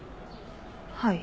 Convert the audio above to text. はい。